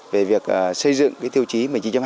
về việc xây dựng tiêu chí